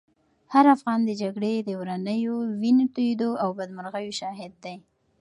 هر افغان د جګړې د ورانیو، وینو تویېدو او بدمرغیو شاهد دی.